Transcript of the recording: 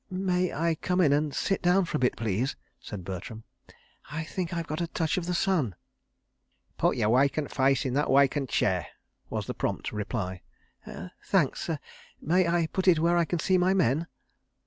"May I come in and sit down for a bit, please?" said Bertram. "I think I've got a touch of the sun." "Put your wacant faice in that wacant chair," was the prompt reply. "Thanks—may I put it where I can see my men?"